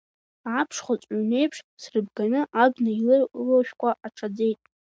Аԥшхәынҵә ҩнеиԥш, срыбганы, абна инылашәкәа аҽаӡеит…